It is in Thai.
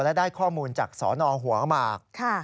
และได้ข้อมูลจากสนหัวหมาก